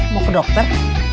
mau ke dokter